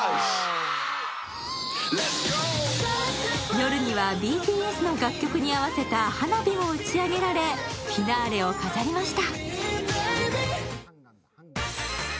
夜にはＢＴＳの楽曲に合わせた花火も打ち上げられフィナーレを飾りました。